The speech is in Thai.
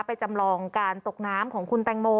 จำลองการตกน้ำของคุณแตงโม